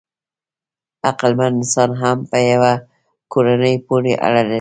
عقلمن انسان هم په یوه کورنۍ پورې اړه لري.